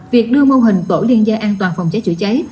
việc đưa mô hình tổ liên gia an toàn phòng cháy chữa cháy